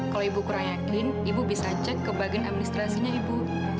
kalau ibu kurang yakin ibu bisa cek ke bagian administrasinya ibu